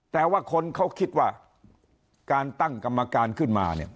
แต่ว่าคนเขาคิดว่าการตั้งกรรมการขึ้นมาเนี่ย